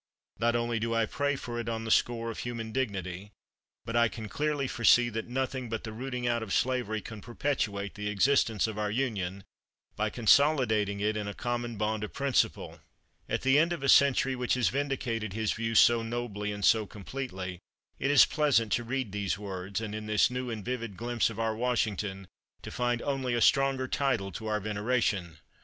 Not only do I pray for it on the score of human dignity, but I can clearly foresee that nothing but the rooting out of slavery can perpetuate the existence of our Union, by consolidating it in a common bond of principle.'" At the end of a century which has vindicated his view so nobly and so completely it is pleasant to read these words, and in this new and vivid glimpse of our Washington to find only a stronger title to our veneration.